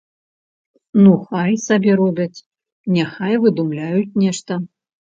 Ну хай сабе робяць, няхай выдумляюць нешта.